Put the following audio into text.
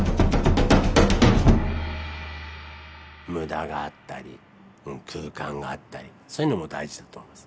無駄があったり空間があったりそういうのも大事だと思います。